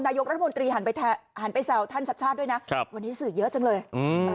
นายกรัฐมนตรีหันไปหันไปแซวท่านชัดชาติด้วยนะครับวันนี้สื่อเยอะจังเลยอืม